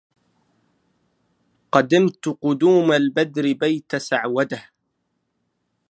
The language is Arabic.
قدمت قدوم البدر بيت سعوده